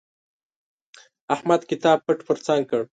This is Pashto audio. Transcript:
احمد کتاب پټ پر څنګ کړ.